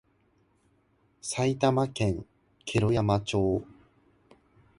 埼玉県毛呂山町